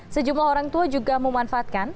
sejumlah orang tua juga memanfaatkan